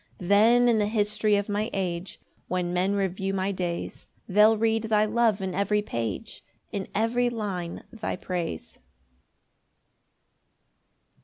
5 Then in the history of my age, When men review my days, They'll read thy love in every page, In every line thy praise.